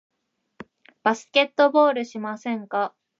バスケットボールしませんか？